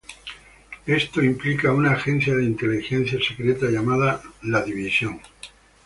Esto implica una agencia de inteligencia secreta llamada "The Division".